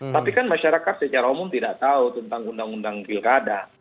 tapi kan masyarakat secara umum tidak tahu tentang undang undang pilkada